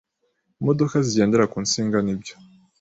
imodoka zigendera ku nsinga n ibyo